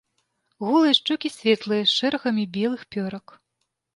Голыя шчокі светлыя з шэрагамі белых пёрак.